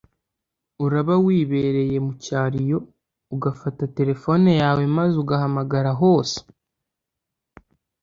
uraba wibereye mu cyaro iyo, ugafata terefoni yawe maze ugahamagara hose